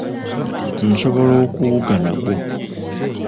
Nsobola okuwuga nagwo.